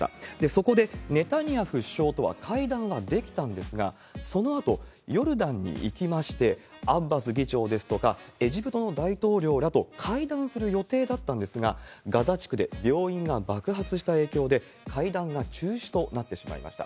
そこで、ネタニヤフ首相とは会談ができたんですが、そのあと、ヨルダンに行きまして、アッバス議長ですとか、エジプトの大統領らと会談する予定だったんですが、ガザ地区で病院が爆発した影響で、会談が中止となってしまいました。